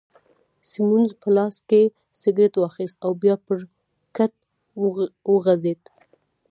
سیمونز په لاس کي سګرېټ واخیست او بیا پر کټ وغځېد.